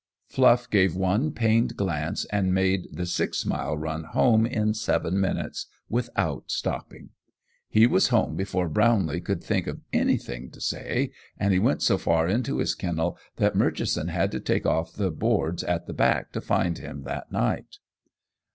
Fluff gave one pained glance and made the six mile run home in seven minutes without stopping. He was home before Brownlee could think of anything to say, and he went so far into his kennel that Murchison had to take off the boards at the back to find him that night.